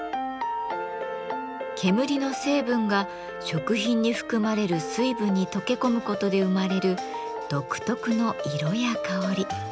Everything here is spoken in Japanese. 煙の成分が食品に含まれる水分に溶け込むことで生まれる独特の色や香り。